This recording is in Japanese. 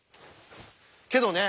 けどね